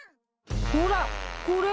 ほらこれ！